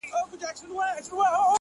• دواړه سم د قلندر په ننداره سول,